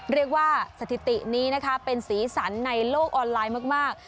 สถิตินี้นะคะเป็นสีสันในโลกออนไลน์มาก